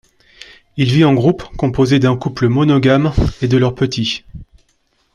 Il vit en groupe, composé d'un couple monogame et de leurs petits.